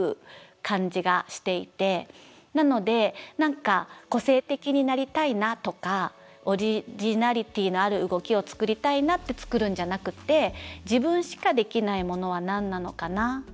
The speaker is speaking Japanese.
なので何か個性的になりたいなとかオリジナリティーのある動きを作りたいなって作るんじゃなくて自分しかできないものは何なのかな。